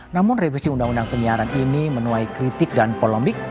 namun revisi undang undang penyiaran ini menuai kritik dan polemik